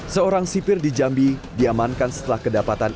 seorang sipir di jambi diamankan setelah kedapatan